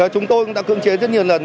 chúng tôi cũng đã cương chế rất nhiều lần